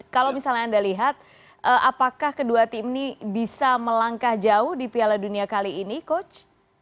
kalau misalnya anda lihat apakah kedua tim ini bisa melangkah jauh di piala dunia kali ini coach